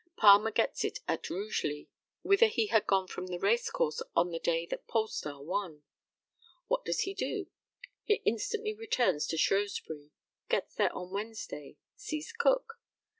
Palmer gets it at Rugeley, whither he had gone from the racecourse on the day that Polestar won. What does he do? He instantly returns to Shrewsbury, gets there on Wednesday, sees Cook.